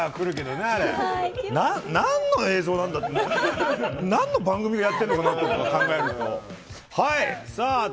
なんの映像なんだっていう何の番組をやってるのかって考えると。